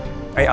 ssst bentar ya